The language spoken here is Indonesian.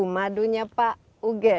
madunya pak uge